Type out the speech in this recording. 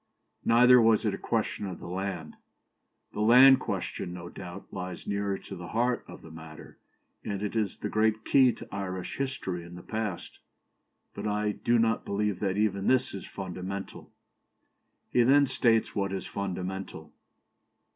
" Neither was it a question of the land. "The land question, no doubt, lies nearer to the heart of the matter, and it is the great key to Irish history in the past; but I do not believe that even this is fundamental." He then states what is "fundamental."